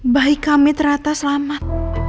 bayi kami terata selamat